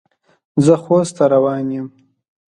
زه خوست ته روان یم.